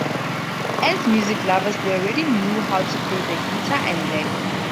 As music lovers they already knew how to play the guitar and bass.